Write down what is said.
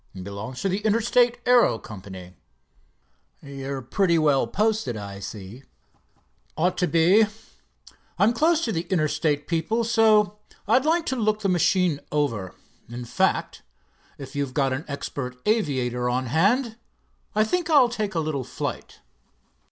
"Belongs to the Interstate Aero Company?" "You're pretty well posted, I see." "Ought to be. I'm close to the Interstate people, so I'd like to look the machine over. In fact, if you've got an expert aviator on hand, I think I'll take a little flight."